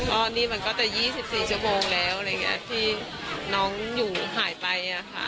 ตอนนี้มันก็แต่๒๔ชั่วโมงแล้วที่น้องอยู่หายไป